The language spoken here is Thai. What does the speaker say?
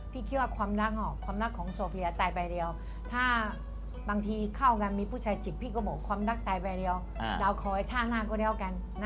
พี่ก็บอกว่าความรักตายไปแล้วเราขอให้ช่างหน้าก็แล้วกัน